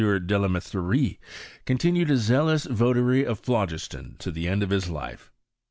Delametherie, continued a zealous TOtary of phlogiston to the end of his life.